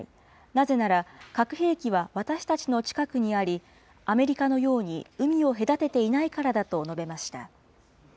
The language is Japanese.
なぜなら、核兵器は私たちの近くにあり、アメリカのように海を隔てていないからだと述べました。